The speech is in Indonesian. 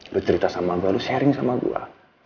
lu cerita sama gua lu sharing sama gua